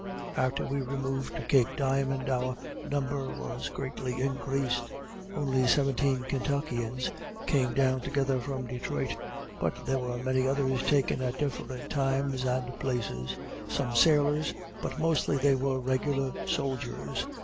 After we removed to cape Diamond our number was greatly increased. Only seventeen Kentuckians came down together from Detroit; but there were many others taken at different times and places; some sailors, but mostly they were regular soldiers.